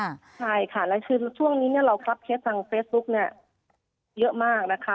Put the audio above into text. ใช่ค่ะและคือช่วงนี้เราครับเคสทางเฟซบุ๊กเยอะมากนะคะ